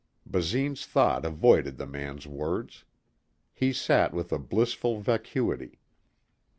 Basine's thought avoided the man's words. He sat with a blissful vacuity.